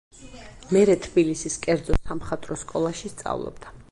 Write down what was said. მერე თბილისის კერძო სამხატვრო სკოლაში სწავლობდა.